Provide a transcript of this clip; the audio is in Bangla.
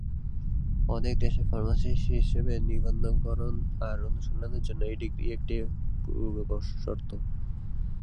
অনেক দেশে ফার্মাসিস্ট হিসাবে নিবন্ধকরণ আর অনুশীলনের জন্য এই ডিগ্রি একটি পূর্বশর্ত।